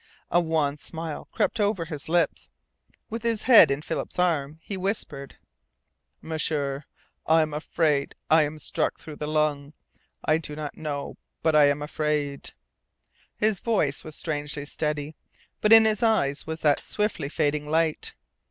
A wan smile crept over his lips. With his head in Philip's arm, he whispered: "M'sieur, I am afraid I am struck through the lung. I do not know, but I am afraid." His voice was strangely steady. But in his eyes was that swiftly fading light!